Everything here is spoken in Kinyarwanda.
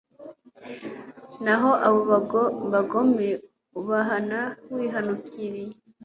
naho abo bagome ubahana wihanukiriye